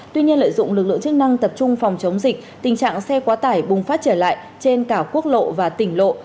tuy nhiên lợi dụng lực lượng chức năng tập trung phòng chống dịch tình trạng xe quá tải bùng phát trở lại trên cả quốc lộ và tỉnh lộ